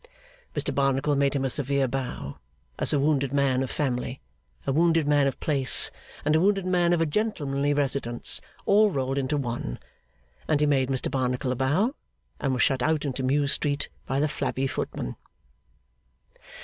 Mr Barnacle made him a severe bow, as a wounded man of family, a wounded man of place, and a wounded man of a gentlemanly residence, all rolled into one; and he made Mr Barnacle a bow, and was shut out into Mews Street by the flabby footman.